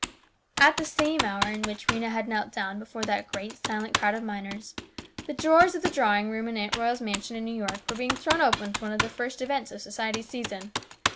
At the same hour in which Rhena had knelt down before that great silent crowd of miners, the doors of the drawing room in Aunt Royal's mansion in New York were being thrown open to one of the first events of society's season.